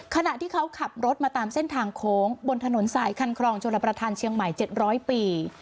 ขณะที่เขาขับรถมาตามเส้นทางโค้งบนถนนสายคันครองชลประธานเชียงใหม่๗๐๐ปี